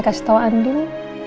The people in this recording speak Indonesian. aku pasti akan datang